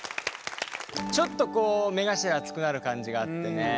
ちょっとこう目頭熱くなる感じがあってね。